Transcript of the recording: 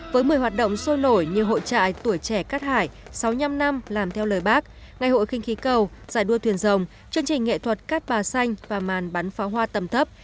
với một mươi hoạt động sôi nổi như hội trại tuổi trẻ cát hải sáu mươi năm năm làm theo lời bác ngày hội khinh khí cầu giải đua thuyền rồng chương trình nghệ thuật cát bà xanh và màn bắn pháo hoa tầm thấp